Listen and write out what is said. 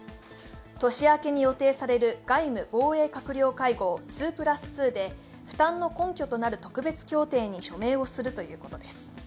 年明けに予定される外務・防衛閣僚会合＝２＋２で負担の根拠となる特別協定に署名するということです。